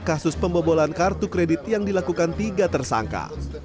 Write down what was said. kasus pembobolan kartu kredit yang dilakukan tiga tersangka